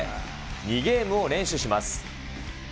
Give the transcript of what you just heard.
２ゲームを連取します。